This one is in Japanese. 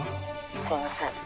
☎すいません